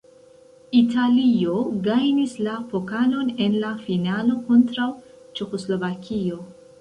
Italio gajnis la pokalon en la finalo kontraŭ Ĉeĥoslovakio.